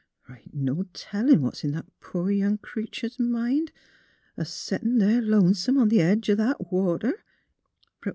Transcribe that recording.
" The' ain't no tellin' what's in that poor young creeter's mind — a settin' there lonesome on the edge o' that water.